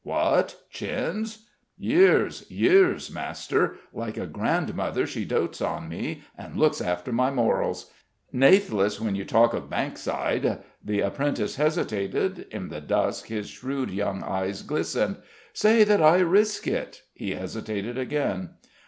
"What, chins!" "Years, years, master. Like a grandmother she dotes on me and looks after my morals. Nathless when you talk of Bankside " The apprentice hesitated: in the dusk his shrewd young eyes glistened. "Say that I risk it?" He hesitated again.